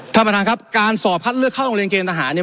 ท่านประธานครับการสอบคัดเลือกเข้าโรงเรียนเกณฑหารเนี่ย